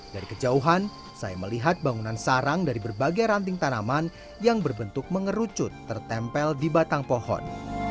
dari kejauhan saya melihat bangunan sarang dari berbagai ranting tanaman yang berbentuk mengerucut tertempel di batang pohon